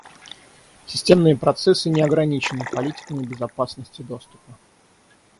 Системные процессы не ограничены политиками безопасности доступа